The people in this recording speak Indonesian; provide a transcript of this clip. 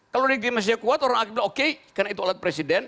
kalau negeri masih kuat orang lain bilang oke karena itu alat presiden